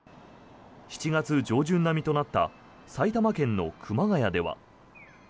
７月上旬並みとなった埼玉県の熊谷では。